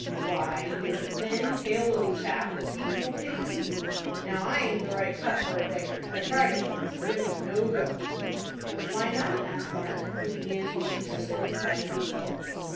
"Why you're a thin, pale little chap, that people will pity easy. Now I aint the right cut for a beggar. I tried it once, but it was no go." "Why not?" asked Mark, who began to be interested in spite of himself.